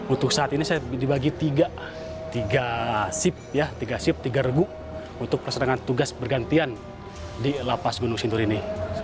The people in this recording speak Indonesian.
untuk saat ini saya dibagi tiga sip tiga regu untuk persenangan tugas bergantian di lapas gunung sindur ini